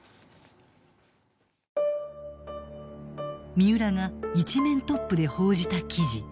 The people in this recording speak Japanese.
三浦が一面トップで報じた記事。